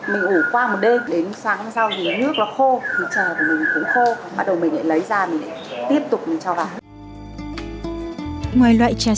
mình ủ qua một đêm đến sáng sau thì nước nó khô thì trà của mình cũng khô bắt đầu mình lại lấy ra mình lại tiếp tục cho vào